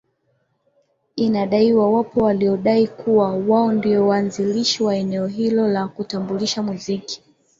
Inadaiwa wapo waliodai kuwa wao ndiyo waanzilishi wa neno hilo la kutambulisha muziki